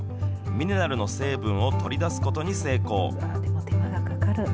ミネラルの成分を取り出すことに成功。